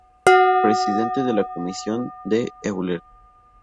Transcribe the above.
Presidente de la ""Comisión de Euler"".